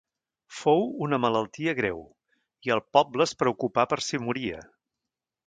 Fou una malaltia greu, i el poble es preocupà per si moria.